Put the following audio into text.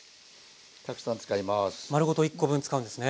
丸ごと１コ分使うんですね。